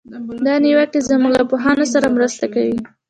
دا نیوکې زموږ له پوهانو سره مرسته کوي.